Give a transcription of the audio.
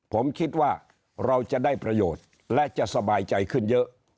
ผมคิดว่าเราจะได้ประโยชน์และจะสบายใจขึ้นเยอะ